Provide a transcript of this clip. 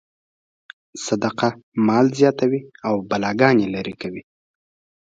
صدقه مال زیاتوي او بلاګانې لرې کوي.